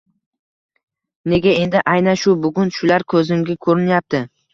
Nega endi, aynan shu bugun... shular ko‘zimga ko‘rinyapti?»